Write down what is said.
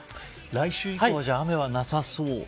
来週以降、雨はなさそう。